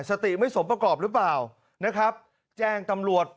สติไม่สมประกอบหรือเปล่านะครับแจ้งตำรวจ